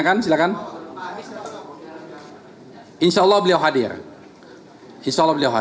tidak normalan dan kelembangan ini dimasukkan ke dalam kelembangan tersebut dan akhirnya kita melakukan